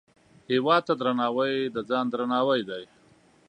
هیواد ته درناوی، د ځان درناوی دی